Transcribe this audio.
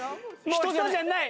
人じゃない。